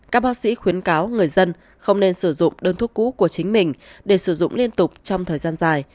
các bác sĩ khuyến cáo người dân không nên sử dụng đơn thuốc cũ của chính mình để sử dụng liên tục trong thời gian dài